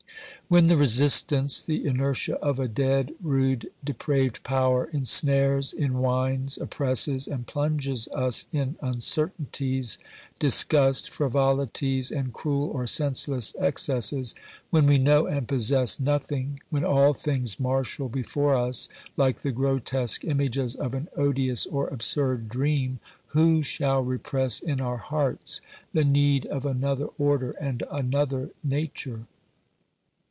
When the resistance, the inertia of a dead, rude, de praved power, ensnares, enwinds, oppresses and plunges us in uncertainties, disgust, frivolities and cruel or senseless excesses; when we know and possess nothing; when all things marshal before us like the grotesque images of an odious or absurd dream, who shall repress in our hearts the need of another order and another nature